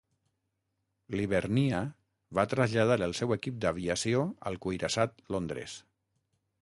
L'"Hibernia" va traslladar el seu equip d'aviació al cuirassat "Londres".